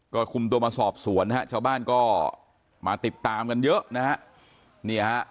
ก็คุมตัวมาสอบสวนนะฮะชาวบ้านก็มาติดตามกันเยอะนะฮะ